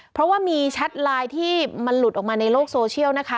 เพราะว่ามีแชทไลน์ที่มันหลุดออกมาในโลกโซเชียลนะคะ